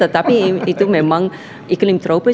tetapi itu memang iklim tropis